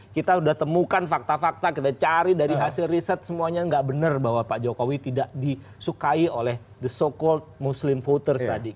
kita sudah temukan fakta fakta kita cari dari hasil riset semuanya nggak benar bahwa pak jokowi tidak disukai oleh the so called muslim voters tadi